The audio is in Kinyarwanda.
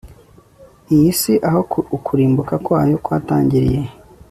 iyi si aho ukurimbuka kwayo kwatangiriye